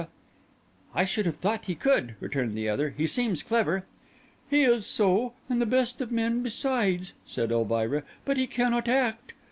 "I should have thought he could," returned the other; "he seems clever." "He is so, and the best of men besides," said Elvira; "but he cannot act."